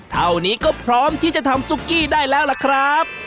เท่านี้ก็พร้อมที่จะทำซุกกี้ได้แล้วล่ะครับ